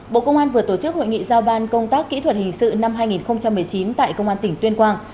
bộ công an vừa tổ chức hội nghị giao ban công tác kỹ thuật hình sự năm hai nghìn một mươi chín tại công an tỉnh tuyên quang